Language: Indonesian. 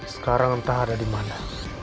sekarang entah ada dimana